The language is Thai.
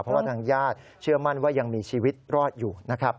เพราะว่าทางญาติเชื่อมั่นว่ายังมีชีวิตรอดอยู่นะครับ